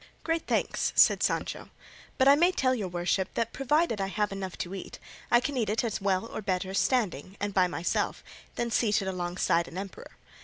"Great thanks," said Sancho, "but I may tell your worship that provided I have enough to eat, I can eat it as well, or better, standing, and by myself, than seated alongside of an emperor.